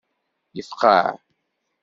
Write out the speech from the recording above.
Yefqaɛ.